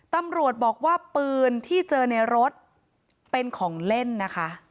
ตำรวจบอกว่าปืนที่เจอในรถเป็นของเล่นนะคะ